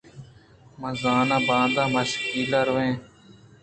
ما زاناں باندا ماشکیل ءَ رو ایں؟